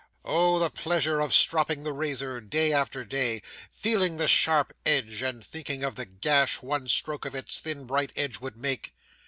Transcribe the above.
Oh! the pleasure of stropping the razor day after day, feeling the sharp edge, and thinking of the gash one stroke of its thin, bright edge would make!